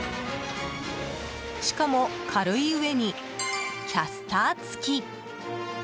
しかも軽いうえにキャスター付き。